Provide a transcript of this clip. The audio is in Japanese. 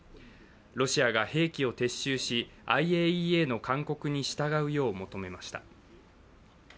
ロシアが兵器を撤収しＩＡＥＡの勧告に従うよう求めました。